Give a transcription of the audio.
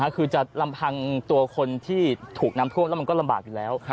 คือจะลำพังตัวคนที่ถูกน้ำท่วมแล้วมันก็ลำบากอยู่แล้ว